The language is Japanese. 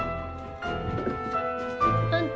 あんた。